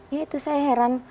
ya itu saya heran